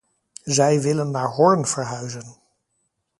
Ze willen naar Horn verhuizen.